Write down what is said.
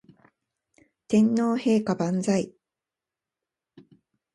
天皇陛下万歳